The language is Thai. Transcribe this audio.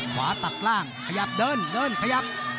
ขวาตัดล่างขยับเดินเดินขยับ